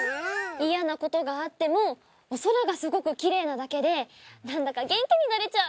イヤなことがあってもお空がすごくきれいなだけでなんだか元気になれちゃう！